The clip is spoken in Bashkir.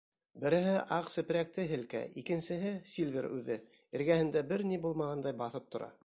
Береһе аҡ сепрәкте һелкә, икенсеһе, Сильвер үҙе, эргәһендә бер ни булмағандай баҫып тора.